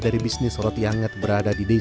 jadi ini ketika di take kurang lebih